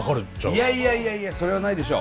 いやいやいやいやそれはないでしょ。